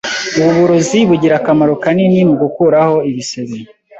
Ubu burozi bugira akamaro kanini mugukuraho ibisebe.